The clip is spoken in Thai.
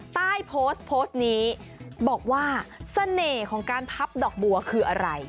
ใต้โพสต์โพสต์นี้บอกว่าเสน่ห์ของการพับดอกบัวคืออะไร